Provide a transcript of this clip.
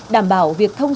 đảm bảo việc thông số